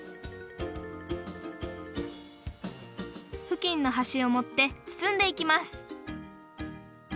ふきんのはしをもってつつんでいきます